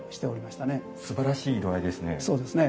すばらしい色合いですね。